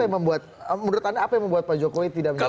menurut anda apa yang membuat pak jokowi tidak menjawab